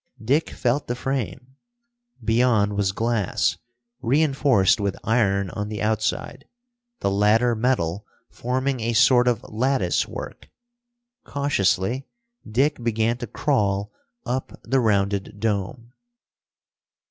Dick felt the frame. Beyond was glass, reinforced with iron on the outside, the latter metal forming a sort of lattice work. Cautiously Dick began to crawl up the rounded dome.